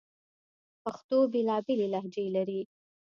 پښتو بیلابیلي لهجې لري